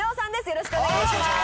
よろしくお願いします。